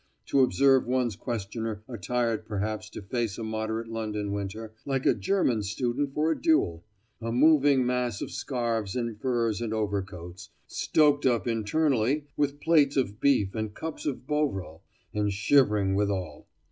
to observe one's questioner attired perhaps to face a moderate London winter like a German student for a duel—a moving mass of scarves and furs and overcoats, stoked up internally with plates of beef and cups of bovril, and shivering withal.